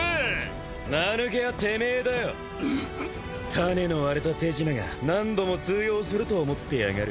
種の割れた手品が何度も通用すると思ってやがる。